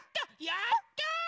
やった！